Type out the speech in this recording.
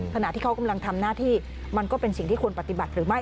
ขณะที่เขากำลังทำหน้าที่มันก็เป็นสิ่งที่ควรปฏิบัติหรือไม่